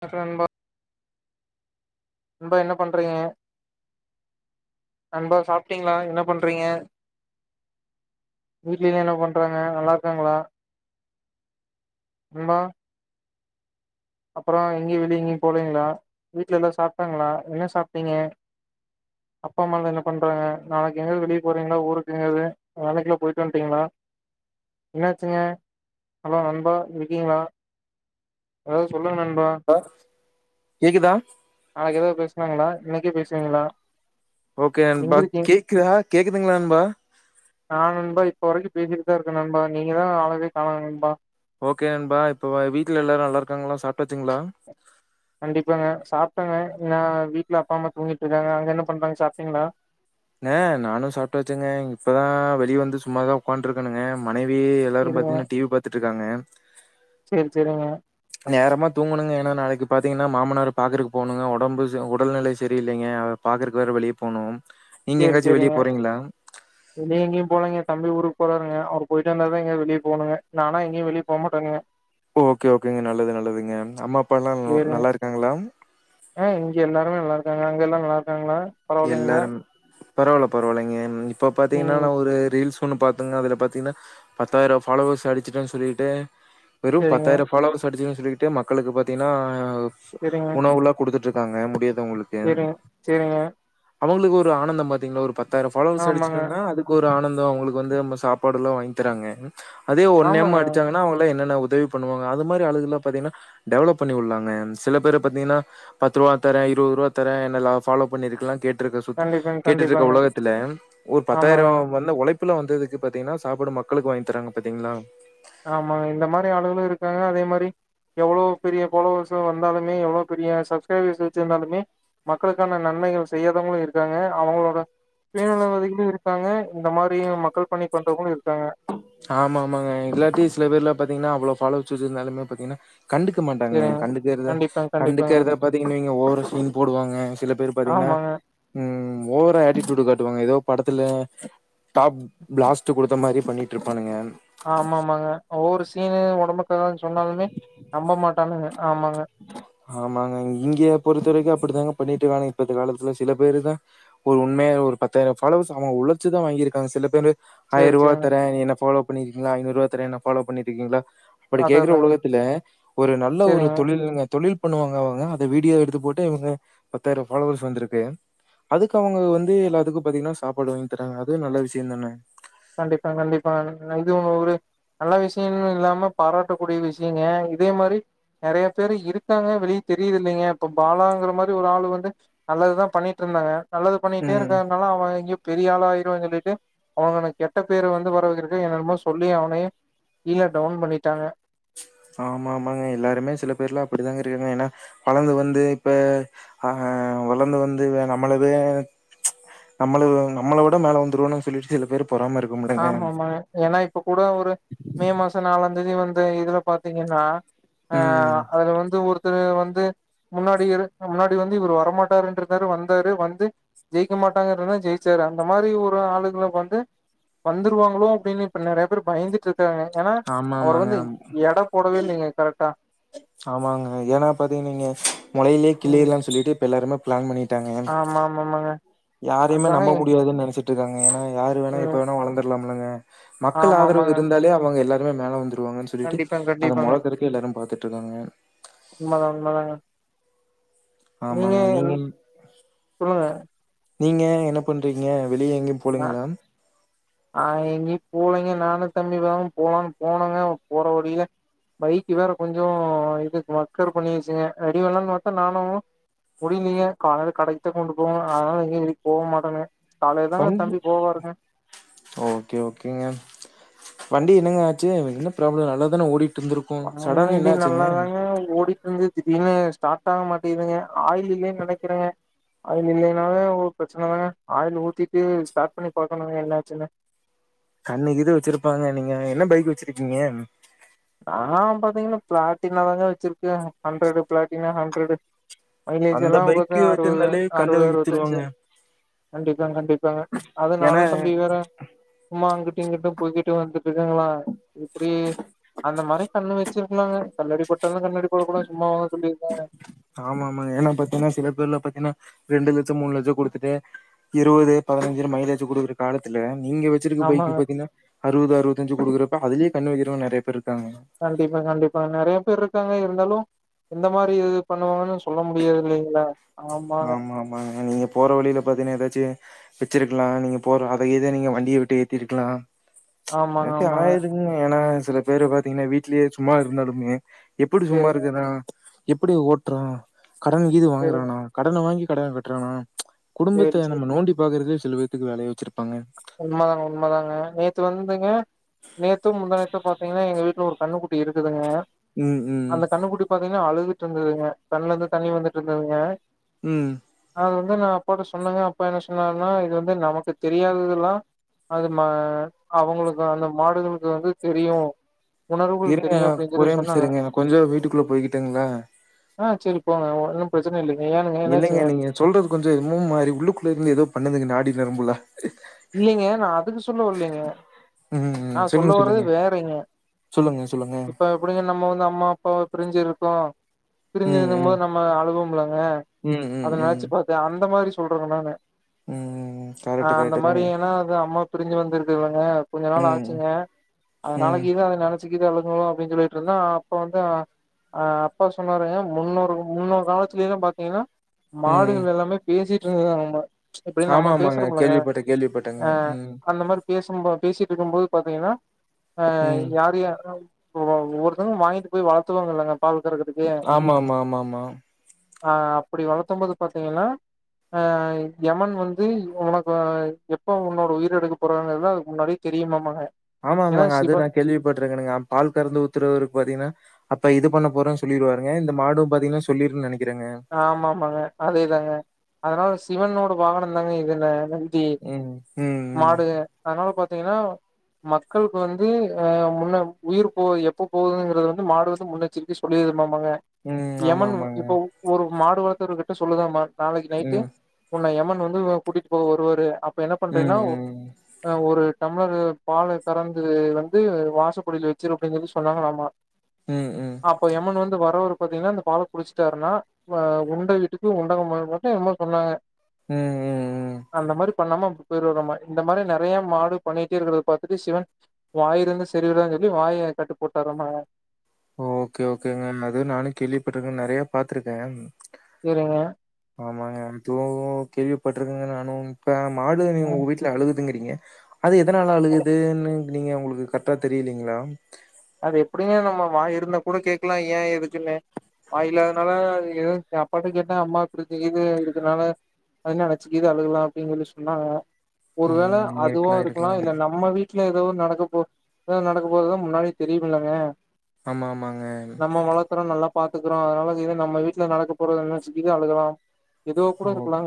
[unintelligible] நண்பா என்ன பண்றீங்க நண்பா சாப்ட்டீங்களா என்ன பண்றீங்க வீட்லலா என்ன பண்றாங்க நல்லா இருக்காங்களா நண்பா அப்புறோ எங்கயு வெளியே எங்கயு போலீங்களா வீட்ல எல்லா சாப்ட்டாங்களா என்ன சாப்ட்டீங்க அப்பா அம்மாலா என்ன பண்றாங்க நாளைக்கு எங்காவது வெளியே போறீங்களா ஊருக்கு எங்கேயாவது வேளைக்கெல்லா போயிட்டு வந்துட்டீங்களா என்னாச்சுங்க ஹலோ நண்பா இருக்கீங்களா அ சொல்லுங்க நண்பா ஆ கேக்குதா அ ஏதாவது பேசனாங்களா இன்னக்கே பேசுவீங்களா எங்க ஓகேபா இருக்கீங்க கேக்குதா கேக்குதுங்களா நண்பா நா நண்பா இப்ப வரைக்கு பேசிட்டுதா இருக்கே நண்பா நீங்க தா ஆளவே காணாங்க நண்பா ஓகே அன்பா இப்ப ப வீட்ல எல்லாரு நல்லா இருக்காங்களா சாப் கண்டிப்பாங்க சாப்ட்டங்க நான் வீட்டுல அப்பா அம்மா தூங்கிட்டுருக்காங்க அங்க என்ன பண்றாங்க சாப்ட்டீங்ளா ஏஹ் நானு சாப்ட்டாச்சுங்க இப்பதா வெளியே வந்து சும்ம தா உக்காத்துட்ருக்கணுங்க மனைவிய எல்லாரு பாத்தீங்கன்னா டிவி பாத்துட்டு க்காங்கே செரி செரிங்க நேரமா தூங்கணுங்க ஏனா நாளைக்கு பாத்திங்கன்னா மாமனார் பாக்குறக்கு போகுனுங்க ஒடம்பு ச ஒடல்நெலை சரில்லைங்க அத பாக்கறக்கு வெளியே போகணு செரி செரிங்க வெளியே எங்கேயு போலங்க தம்பி ஊருக்கு போறாருங்க அவுரு போயிட்டுந்தா தா எங்க வெளிய போவணங்க நானா எங்கேயு வெளியே போ மாட்டேங்க ஓகே ஓகேங்க நல்லது நல்லதுங்க அம்மா அப்பா எல்லா சேரிங்க நல்லா இருக்காங்களா அங்கெல்லாம்ங்கள ருக்காங்களா பரவால்லைங்களா எல்லாரும் பரவால்ல பரவாயில்லைங்க இப்போ பாத்தீங்கன்னா நா ஒரு ரீல்ஸ் ஃபோனு பாத்துங்க அதுல பாத்தீங்ன்னா பத்தாயிரோ ஃபாலோவர்ஸ் அடிச்சிட்டேன்னு சொல்லிட்டு வெறு சேரிங்க பத்தாயிரோ ஃபாலோவர்ஸ் அடிச் சொல்லிக்கிட்டு மக்களுக்கு பாத்தீங்ன்னா உணவுலா கொடுத்துட்டு தாங்க முடியாது செரி செரிங்க அவுங்ளுக்கு ஒரு ஆனந்தம் பாத்தீங்கன்னா ஒரு பத்து வேற ஃபாலோவர்ஸ் ஆமாங்க அடிச்சுடோனா அதுக்கு ஒரு ஆனந்தம் அவுங்களுக்கு வந்து நம்ம சாப்பாடு எல்லா வாங்கி தராங்க அதே ஒன் எம் ஆமாங்க அடிச்சாங்கன்னா அவுங்கள என்னன்ன உதவி பண்ணுவாங்க அது மாரி ஆளுகலெல்லா பாத்தீங்கன்னா டெவலப் பண்ணி உள்ளாங்க சில பேரு பாத்தீங்கன்னா பத்து ரூவா தரே இருவது ரூவா தரே என்னெல்லா ஃப்பாலோ பண்ணிருக்கலா கேட்டு இருக்க சுத்து கண்டிப்பாங்க கேட்டு இருக்க கண்டிப்பாங்க உலகத்துல ஒரு ஆமாங்க பத்தாயிர வந்த உழைப்பு இப்புல வந்ததுக்கு பாத்தீங்கன்னா சாப்பாடு மக்களுக்கு வாங்கி தராங்க பாத்தீங்களா ஆமாங்க இந்த மாரி ஆளுகளு இருக்காங்க அதே மாரி எவ்ளோ பெரிய பாலோவர்ஸ் வந்தாலுமே எவ்ளோ பெரிய சப்ஸ்கிரைபர்ஸ் வச்சிருந்தாலுமே மக்களுக்கான நன்மைகள் செய்யாதவங்களு இருக்காங்க அவங்களோட சுயநிலவதிகளு இருக்காங்க இந்த மாரி மக்கள் பணி பண்றவங்களு இருக்காங்க ஆமா ஆமாங்க எல்லாத்தையு சில பேர்ல பாத்தீங்கன்னா அவ்ளோ ஃப்பலோவர்ஸ் வச்சி இருந்தாலுமே பாத்தீங்கன்னா கண்டுக்க மாட்டாங்க சேரிங்க கண்டுக்கிறத கண்டிப்பாங்க கண்டிப்பாங்க கண்டுக்கிறத பாத்தீங்கன்வைங்க ஓவர் சீன் போடுவாங்க சில பேர் பா்த்தீங்கன்னா ஆமாங்க ம் ஓவரா ஆட்டிடுடூ காட்டுவாங்க ஏதோ படத்துல டாப் பிளாஸ்ட் குடுத்த மாரி பண்ணி ட்ரிப் பாணுங்க ஆமா ஆமாங்க ஒவ்வொரு சீனு உடம்புக்கலனு சொன்னாலுமே நம்ப மாட்டானுங்க ஆமாங்க ஆமாங்க இங்கயே பொறுத்தவரைக்கு அப்படித்தாங்க பண்ணிட்டு இருக்காங்க இப்ப காலத்துல சில பேரு தா ஒரு உண்மைய ஒரு பத்தாயிரம் பஃபாலோவர்ஸ் அவங்க உழச்சுதா வாங்கியிருக்காங்க சில பேரு சேரி ஆயிரூவா சேரிங்க தர நீ என் ஃபாலோ பண்ணிருக்கீங்களா ஐநூறுவா தர என் ஃப்பாலோ பண்ணிட்ருக்கீங்களா அப்படி அதா கேக்குற அதாங்க உலகத்துல ஒரு நல்ல ஒரு சேரிங்க தொழில் பண்ணுவாங்க அவங்க அத வீடியோ எடுத்து போட்டு இவங்க பத்தாயிரோ பஃபாலோவர்ஸ் வந்திருக்கு அதுக்கு அவங்க வந்து எல்லாத்துக்கு பாத்தீங்கன்னா சாப்பாடு வாங்கி தராங்க அதே நல்ல விஷயம் தான கண்டிப்பா கண்டிப்பா இது ஒ ஒரு நல்ல விஷயங் இல்லாம பாராட்டக்கூடிய விஷயங்க இதே மாரி நெறைய பேரு இருக்காங்க வெளிய தெரியுது இல்லைங்க இப்ப பாலாங்கிற மாரி ஒரு ஆள் வந்து நல்லது தா பண்ணிட்டு இருந்தாங்க நல்லது பண்ணிட்டே ம். இருக்கனால அவன் எங்கேயு பெரி பெரிய ஆளு ஆய்டுவாங்க சொல்லிட்டு அவங்க கெட்ட பேரு வந்து வரவெக்குறதுக்கு என்னமோ சொல்லி அவனயூம் கீழ டவுன் பண்ணிட்டாங்க ஆமா ஆமாங்க எல்லாருமே சில பேர்ல அப்படிதாங்க இருக்காங்க ஏனா வளர்ந்து வந்து இப்ப ஆ வளர்ந்து வந்து நம்மளத நம்மள நம்மள விட மேல வந்துருவோன்னு சொல்லிட்டு சில பேர் பொறாம இருக்கும்லங்க. ஆமா ஆமா ஏனா இப்ப கூட ஒரு மே மாசம் நாளாந் தேதி வந்து இதுல பாத்தீங்கன்னா ஆ ம் அதுல வந்து ஒரு வந்து முன்னாடி முன்னாடி வந்து இவரு வரமாட்டாருன் இருந்தாரு வந்தாரு வந்து ஜெயிக்க மாட்டாங்க இருந்தா ஜெயிச்சாரு அந்த மாரி ஒரு ஆளுக வந்து வந்துருவாங்ளோ அப்டின்னு இப்ப நெறைய பேர் பயந்துட்டு இருக் க்காங்க ஏனா ஆமா அவர் ஆமாங்க. வந்து எட போடவே இல்லைங்க கரெக்டா ஆமாங்க ஏனா பாத்தீங்க நீீங்க முலையிலே ம் கிள்ளியிடலா சொல்லிட்டு எல்லாருமே பிளான் பண்ணி ஆமா ஆமா ஆமாங்க யாரயுமே அதுதாங்க நம்ப முடியாதுன்னு நெனச்சுட்டு இருக்காங்க ஏன்னா யாரு வேணா எப்ப ம் வேணா வளந்துர்லாம் போலங்க மக்கள் ஆமா ஆதரவு ஆமாங்க இருந்தாலே அவுங்க எல்லா பே மேல வந்துரு டுவாங்கனு சொல்லிட்டு கண்டிப்பாங்க அத கண்டிப்பாங்க மொழக்கிறக்கே எல்லாரு பாத்துட்டு இருக்காங்கங்க உண்மதா உண்மதாங்க நீங்க எல் சொல்லுங்க நீங்க என்ன பண்றீங்க வெளியே எங்கேயும் நா போலேங்ளா நா எங்கயு போலைங்க நானுந் தம்பி வேலும் போலான்னு போனோங்க போற வழில பைக் வேற கொஞ்சோ அ இதுக்கு மக்கர் பண்ணிருச்சுங்க ரெடி பண்லாம்னு பாத்தா நானு முடியலைங்க காலையில கடைக்குத்தா கொண்டு போவங்க அதனால எங்க வெளிய போக மாட்டோங்க காலல தாங்க ஓகே ஓகேங்க வண்டி என்னங்க ஆச்சு என்ன ஃப்ராப்ளம் நல்லா தான ஓடிகிட் வண்டி நல்லாதாங்க ஓடிட்டு இருந்து திடீர்னு ஸ்டார்ட் ஆக மாட்டேகுதுங்க ஆயில் இல்லன்னு நெனைக்கிறேங்க ஆயில் இல்லைன்னாவே ஒரு ப்ரச்சனை தாங்க ஆயில் ஊத்திட்டு ஸ்டார்ட் பண்ணி பாக்கணுங்க என்னாச்சுன்னு கண்ணுக் இது வச்சுருப்பாங்க நீங்க என்ன பைக்கு வச்சுருக்கீங்க நா பாத்தீங்கன்னா ப்ளாட்டினா தாங்க வச்சிருக்கே ஹண்ட்ரடு ப்ளாட்டினா ஹண்ட்ரடு மைலேஜ் அந்த எல்லா பாத்தா பைக்கு அறுவது வச்சிருந்தாலே கண்ணு அறுவது அறுவத்தஞ்சு வகிச்சுருவாங்க கண்டிப்பாங்க கண்டிப் க்காங்க அதனால தம்பி வேற சும்மா அங்கிட்டு இங்கிட்டு போய்கிட்டும் வந்துட்டு இருக்காங்களா இப்புடி அந்த மாரி கண்ணு வச்சிருக்கலாங்க கல்லடி பட்டாலு கண்ணடி படக்கூடாது சும்மாவா ஆமா ஆமாங்க ஏன்னா பாத்தீங்கன்னா சில பேர்ல பாத்தீன்னா ரெண்டு லட்சோ மூணு லட்சோ குடுத்துட்டே இருவது பதினஞ்சுனு மைலேஜ் குடுக்குற காலத்துல நீங்க வச்சிருக்க பைக்கு ஆமாங்க பாத்தீன்னா அறுவது அறுவத்தஞ்சு குடுக்குறப்ப அதுலேயே கண்ணு வக்கிறவங்க நெறைய பேர்ருக் கண்டிப்பா கண்டிப்பா நெறையா பேர் இருக்காங்க எ ருந்தாலும் எந்த மாரி இது பண்ணுவாங்கன்னு சொல்ல முடியாதுல்லங் ல்ல ஆமாங்க ஆமா ஆமாங்க நீங்க போற வழியில பாத்தீங்கன்னா எதயாச்சு வச்சுருக்கலா நீங்க போற அத இத நீங்க வண்டிய விட்டு ஏத்தி இருக்கலா ஆமாங்க இல்லாட்டி ஆமாங்க ஆயிருக்குங்க ஏன்னா சில பேர பாத்தீங்கன்னா வீட்லேயே சும்மா இருந்தாலுமே எப்புடி சும்மா சேரிங்க இருக்குறனா எப்டி ஓட்றோ கடன் கீது சேரிங்க வாங்குறானா கடன வாங்கி கடன கட்றானா சேரி குடும்பத்த சேரி நம்ம நோண்டி பாக்குறதே பேத்துக்கு வேலைய வெச்சிருப் உண்மதாங்க உண்மதாங்க நேத்து வந்துங்க நேத்தோ முந்தாநேத்தோ பாத்திங்னா எங்க வீட்ல ஒரு கண்ணுக்குட்டி இருக்குதுங்க ம் ம் எப்பவுமே அழுதுட்டு இருந்துதுங்க கண்ணுல இருந்து தண்ணி வந்துட்டு இருந்துதுங்க ம் அது வந்து நா அப்பாட்ட சொன்னங்க அப்பா என்ன சொன்னாருனா இது வந்து நமக்கு தெரியாதது அதலா அது மா அவங்களுக்கு அந்த மாடுகளுக்கு வந்து தெரியு உணர்வுகள் இருங்க தெரியு அப்டின்னு சொல்லி ஒரே நிமிஷ சொன்னாங்க இருங்க நா கொஞ்சோ வீட்டுக்குள்ள போயிக்குட்டுங்ளா ஆ செரி போங்க ஒன்னு பிரச்சனை இல்லைங் இல்லைங்க நீங்க சொல்றது கொஞ்ச என்னமோ மாரி உள்ளுக்குள்ள இருந்து ஏதோ பண்ணுதுங்க நாடி நரம்புல்லா இல்லிங்க நா அதுக்கு சொல்ல வல்லிங்க ம் ம் நா சொல்லுங்க சொல்ல வரதே சொல்லுங்க வேறைங்க சொல்லுங்க சொல்லுங்க இப்ப எப்டிங்க நம்ம வந்து அம்மா அப்பாவ பிரிஞ்சு இருக் கோ ம் பிரிஞ்சிருக்கும் ம் போது நம்ம அழுவம்லங்க ம் அத ம் ம் நெனச்சு பாத்த அந்த மாரி சொல்றங்க நானு ம் ஆ கரெக்டு க அந்த மாரி ஏனா அது அம்மாவ பிரிஞ்சு வந்துருக் குதுல்லங்க கொஞ்ச நாள் ம் ஆச்சுங்க அதனால ம் கீது அத நெனச்சு கீது அழுகு அப்டின் சொல்லிட்ருந்தோ அப்ப வந்து அ அப்பா சொன்னாருங்க முன்னோரு முன்னோரு காலத்துலல பாத்திங்னா ம் மாடுகள் எல்லாமே பேசிட் ருந்துதாமா ஆமா ஆமாங்க கேள்விப்பட்ட கேள்விப்பட்டங்க ம் பேசும் பா பேசிட்ருக்கும்போது பாத்திங்கனா அ ம் யாரு யா ஒ ஒவ்வொருத்தங்களு வாங்கிட்டு போய் வளத்துவாங்க இல்லங்க ஆமாமா ஆமாமா ஆ அப்பிடி வளத்தும்போது பாத்திங்கனா அ யமன் வந்து உனக் இப்ப எப்ப உன்னோட உயிர எடுக்க போறங்கறது அதுக்கு முன்னாடியே தெரியுமாமாங்க ஆமா ஏன்னா ஆமாங்க அது சிவ நா கேள்விப்பட்ருக்கனுங்க பால் கறந்து ஊத்துறவருக்கு பாத்திங்னா அப்ப இது பண்ண போறேன் சொல்லிருவாருங்க இந்த மாடும் பாத்திங்னா சொல்லிருன் நெனைக் ஆமாமாங்க அதேதாங்க அதனால சிவனோட வாகனந்தாங்க இதுனு து ம் ம் ம் மாடு அதனால பா திங்ன்னா மக்களுக்கு வந்து ஆ முன்ன உயிர் போ எப்ப போதுங்கிறது வந்து மாடு வந்து முன்னெச்சரிக்கை சொல்லிரு மாமாங்க ம் ஆமா யமன் ஆமாங்க இப்ப உ இப்போ மாடு வளர்த்தவர்கிட்ட சொல்லுதான்மா நாளைக்கு நைட்டு ம் உன்ன எமன் வந்து கூட்டிட்டு போக வருவாரு அப் இப்ப என்ன ம் பண்றேன்னா ஒ ம் அ ஒரு டம்மளரு பால கறந்து வந்து வாசப்படியில வச்சிரு அப்படின் சொல்லி சொன்னங்களாமா ம் ம் அப்போ எமன் வந்து வர ஒரு பாத்தீங்கன்னா இந்த பால குடிச்சுட்டாருன்னா ப்ப உண்டை வீட்டுக்கு உண்டகம் பண்ணுமொத்தான் என்னமோ சொன்னாங்க ம் ம் ம் அந்த மாரி பண்ணாம போயிருவராமா இந்த மாரி நிறைய மாடு பண்ணிட்டே இருக்கறத பார்த்தட்டு சிவன் வாய் இருந்து சரிவராதுன்னு சொல்லி வாயை கட்டுபோட்டாரமாங்க ஓ ஓகே ஓகேங்க அது நானும் கேள்விப்பட்டிருக்கே நெறைய பாத்துருக்கேன் சேரிங்க ஆமாங்க எதுவோவோ கேள்விப்பட்டிருக்கங்க நானும் ப்ப மாடு நீங்க ம் உங்க வீட்டுல அழுது துங்கீறிங்க அது எதனால அழுகுதுன்னு நீங்க உங்களுக்கு கரெக்டா தெரியலைங்களா அது எப்டின்னுே நம்ம வாயிருந்தா கூட கேட்கலா ஏன் எதுக்குமே வாய் இலாதனால எதுவும் அப்பாட்ட கேட்டேன் அம்மா இப்டி தெரியுது இதுனால அத நினைச்சு கீது அழுகலா அப்படின்னு சொல்லி சொன்னாங்க ஒரு வேள ம். அதுவும் இருக்கலாம், இருக்கலா இருக்கலாம். இல்ல நம்ம வீட்டுல ஏதோ நடக்கபோது அ நடக்க போது தான் முன்னாடி தெரியுமில்லங்க ஆமா ஆமாங்க பாத்துக்குறோம் அதனால இனிமே நம்ம வீட்டுல நடக்க போறது நெனச்சதிக்கு அழுகலாம் ஓக்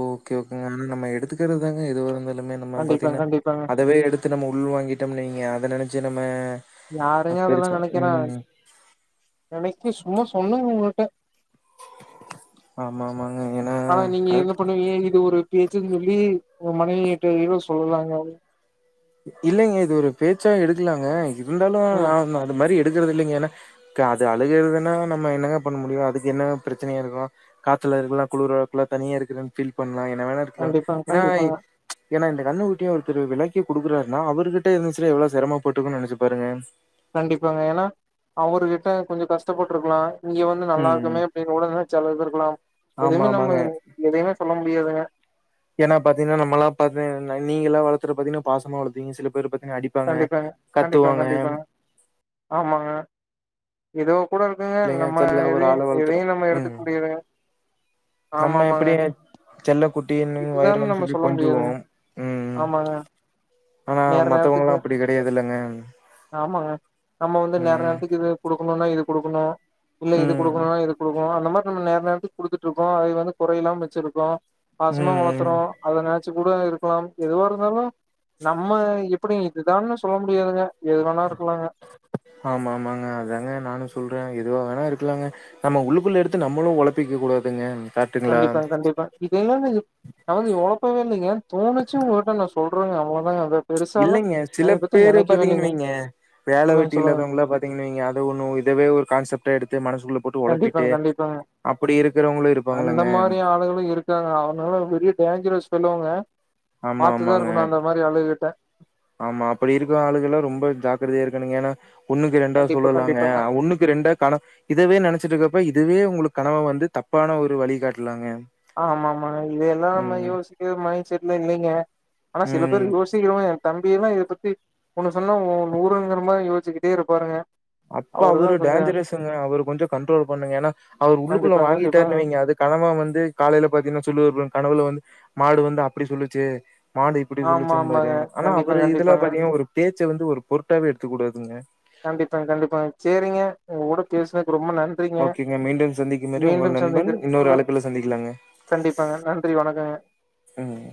ஓகே ஓகேங்க ஆனா நம்ம எடுத்துக்கறதான் ஏதுவாயிருந்தாலு நம்ம இந்தமா கண்டிப்பா பாத்தீங்கன்னா கண்டிப்பாங்க அதவே எடுத்து நம்ம உள் வாங்கிட்டோம்னு வைங்க அத நினைச்சு நம்ம அ யாருங்க அதெல்லா பெருசா நினைக்கிறான் ம். நெனைக்கு சும்மா சொன்னுங்க போட்டு ஆமா, ஆமாங்க. ஏன்னா ஆனா நீங்க என்ன கரெக்ட் பண்ணுவீங்க இது ஒரு பேச்சுன்னு சொல்லி ஒரு மணி எட்டு இரு சொல்லலாங்க இல்லைங்க இது ஒரு பேச்சா எடுக்கலாங்க இருந்தாலும் ம் அ அது மாதிரி எ இருக்கறதில்லைங்க என்ன அது அழுகறதின்னா நம்ம என்னங்க பண்ண முடியும் அது என்னங்க பிரச்சனையா என்னமோ காய்ச்சலா இருக்கலா குளிரா இருக்கலா தனியா இருக்குதுன்னு பீல் பண் என்ன வேணா இருக்கலா கண்டிப்பாங்க ஏனா கண்டிப்பாங்க ஏனா இந்த கண்ணுக்குட்டியும் ஒருத்தர் விலைக் எப்டி குடுக்குறாருன்னா அவர்கிட்ட இருந்துச்சுனா எவ்வள செரமப்பட்டுருக்கன்னு நெனச்சு பாருங்க கண்டிப்பாங்க ஏன்னா அவர்கிட்ட கொஞ்சொ கஷ்டப்பட்டுருக்கலா இங்க வந்து நல்லா ம் இருக்குமே அப்டின்னு கூட நெனச்சு அழுது இருக்கலா ஆமா எதுவுமே நம்ம ஆமாங்க எதையுமே சொல்ல முடியாதுங்க ஏன்னா பாத்தீங்கன்னா நம்மெல்லா பாத்து நீங்க எல்லா வளத்துற பாத்தீங்கன்னா பாசமா வளப்பீங்க சில பேர் பாத் கண்டிப்பாங்க கண்டிப்பா கண்டிப்பா ஆமாங்க எதோ கூட இருக்குங்க இல்லைங்க நம்ம தெர்ல ஒரு எதையு ஆள வளர்த்துறோ எதையு நம்ம எடுத்துக்க ம் முடியாதுங்க ஆமாமாங்க செல்லக் இதுதான் நம்ம சொல்ல முடியாதுங்க ம் ஆமாங்க ஆனா நேர மத்தவங்கல்லா நேரத்துக்கு அப்டி கெடையாதுல்லங்க ஆமாங்க நம்ம வந்து நேர ம் நேரத்துக்கு இது கொடுக்கணும்னா இது குடுக்குங்க இல்ல இது ம் குடுக்கணுமா இது குடுக்கணுமா அந்த மாரி நம்ம நர நேரத்து கொடுத்துட்றுக்கோ அது வந்து கொறையில்லாம வெச்சிருக்கோ பாசமா ம் ம் வளத்துரோ அத நென ச்சுக்கூட இருக்கலாம் எதுவா இருந்தாலு நம்ம எப்டி இதுதான்னு சொல்ல முடியாதுங்க எது வேணா இருக்கலாங்க ஆமா ஆமாங்க அதாங்க நானு சொல் ற எதுவா வேணா இருக்கலாங்க நம்ம உள்ளுக்குள்ள எடுத்து நம்மளு ஒழப்பிக்க கூடாதுங்க கரெக்ட்டுங்களா கண்டிப்பா கண்டிப்பா இதெல்லாமே நா வந்து ஒழப்பவே இல்லைங்கே தோணுச்சு உங்கள்ட்ட நா சொல் றங்கே அவ்ளோதாங்க அது இல்லைங்க சில பேரு பாத்தீங்கன்னுவைங்க வேல சொல்லுங்க வெட்டி சொல்லுங்க இல்லாதவங்களா பாத்தீங்கன்னுவைங்க அத ஒண்ணு இதவே ஒரு கான்செப்டா எடுத்து மனசுக்குள்ள போட்டு ஒழப்பிட்டு கண்டிப்பாங்க கண்டிப்பாங்க அப்டி இருக்கிறவங்களு அந்த இருப்பாங்கல்லங்க மாதிரி ஆளுகளு இருக்காங்க அவங்களா பெரிய டேஞ்சர் சொல்லுவங்க ஆமா பாத்துதா ஆமாங்க இருக்கணு அந்த மாரி ஆளுங்கிட்ட ஆமா அப்டி இருக்க ஆளுகள்லா ரொம்ப ஜாக்கிரதையா இருக்கணுங்க ஏனா ஒன்னுக்கு ரெண்டா கண்டிப்பா சொல்லலாங்க கண்டிப்பாங்க ஒன்னுக்கு ரெண்டா கண இதவே நெனச்சட்டு இருக்கப்ப இதுவே உங்களுக்கு கனவ வந்து தப்பான ஒரு வழிகாட்லாங்க ஆமா ஆமாங்க இத எல்லா நம்ம யோசிக்கவே மைசெட்ல இல்லைங்க ஆனா சில பேர் ம். யோசிக்கிறவங்க எ தம்பி எல்லா இரு பத்தி ஒண்ணு சொன்னா உ நூருங்கிறமா யோச்சுக்கிட்டே இருப்பாருங்க அப்ப அவருதா அவரு கொஞ்சோ டேஞ்ஜரசுங்க அவர கொஞ்சோ கண்ட்ரோல் பண்ணுங்க ஏனா அவர் உள்ளுக்குள்ள கண்டிப்பா கண்டிப்பாங்க வாங்கிட்டாருனு வைங்க அது கனவா வந்து காலையில பாத்தீங்கனா சொல்லுவார் கனவுல வந்து மாடு வந்து அப்டி சொல்லுச்சு மாடு இப்டி ஆமா சொல்லிச்சும்பாரு ஆமாங்க ஆனா கண்டிப்பா அவரு இதுல கண்டிப்பாங்க பாத்தீங்கான ஒரு பே ச்ச வந்து ஒரு பொருட்டாவே எடுத்துக் கூடாதுங்க கண்டிப்பாங்க கண்டிப்பாங்க சேரிங்க உங்க கூட பேஸ்னத் ரொம்ப நன்றிங்க ஓகேங்க. மீண்டும் சந்திக்கும் வரை உங்கள் மீண்டும் நண்பன் சந்த இன்னொரு அழைப்புல சந்திக்கலாங்க. கண்டிப்பாங்க நன்றி வணக்கங்க ம்.